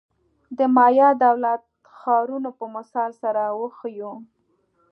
د مایا دولت-ښارونو په مثال سره وښیو.